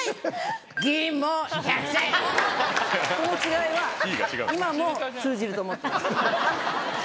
この違いは今も通じると思ってます。